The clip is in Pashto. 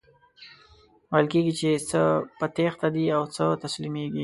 ویل کیږي چی څه په تیښته دي او څه تسلیمیږي.